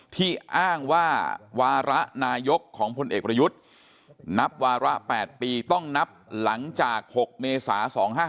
ที่อ้างว่าวาระนายกของพลเอกประยุทธ์นับวาระ๘ปีต้องนับหลังจาก๖เมษา๒๕๖